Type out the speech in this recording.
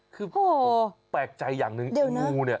คือแปลกใจอย่างนึงเอางูนี่